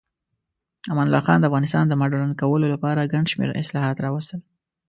امان الله خان د افغانستان د مډرن کولو لپاره ګڼ شمیر اصلاحات راوستل.